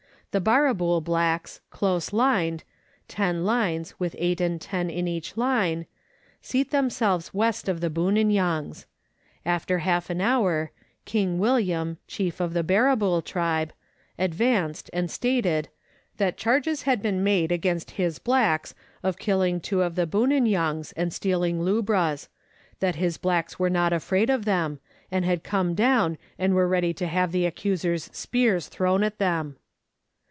The Barrabool blacks close lined ten lines, with eight and ten in each line, seat themselves W. of the Buninyongs. After half an hour, King William, chief of the Barrabool tribe, advanced and stated " that charges had been made against his blacks of killing two of the Buninyougs and stealing lubras ; that his blacks were not afraid of them, and had come down and were ready to have the accusers' spears thrown at them."